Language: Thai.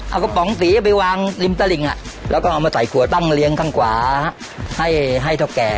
เอากระป๋องสีไปวางริมตลิ่งแล้วก็เอามาใส่ขวดตั้งเลี้ยงข้างขวาให้เท่าแก่